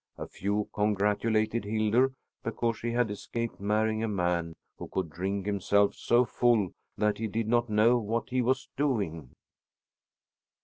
A few congratulated Hildur because she had escaped marrying a man who could drink himself so full that he did not know what he was doing.